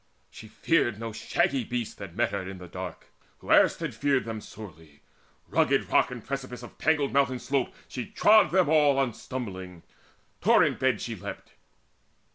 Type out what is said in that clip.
She feared No shaggy beast that met her in the dark Who erst had feared them sorely rugged rock And precipice of tangled mountain slope, She trod them all unstumbling; torrent beds She leapt.